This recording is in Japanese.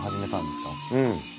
うん。